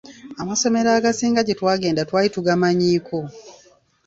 Amasomero agasinga gye twagenda twali tugamanyiiko.